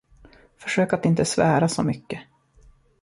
Försök att inte svära så mycket.